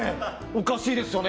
おかしいですよね